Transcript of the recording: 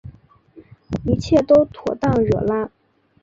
一切都妥当惹拉